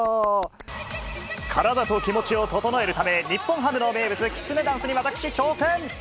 体と気持ちを整えるため、日本ハム名物、きつねダンスに私、挑戦！